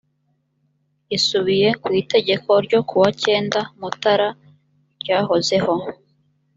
isubiye ku itegeko ryo kuwa cyenda mutara ryahozeho.